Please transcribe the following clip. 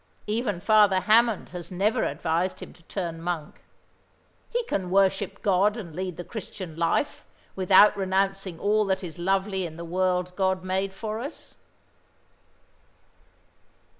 Even Father Hammond has never advised him to turn monk. He can worship God, and lead the Christian life, without renouncing all that is lovely in the world God made for us."